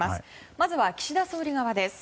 まずは岸田総理側です。